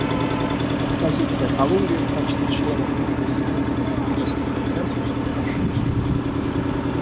Позиция Колумбии в качестве члена группы «Единство в интересах консенсуса» хорошо известна.